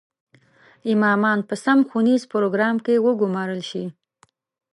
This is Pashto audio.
امامان په سم ښوونیز پروګرام کې وګومارل شي.